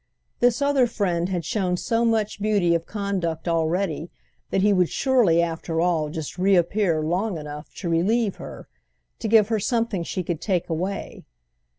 This other friend had shown so much beauty of conduct already that he would surely after all just re appear long enough to relieve her, to give her something she could take away.